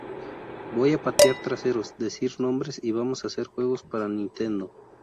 Voy a patear traseros, decir nombres y vamos a hacer juegos para Nintendo.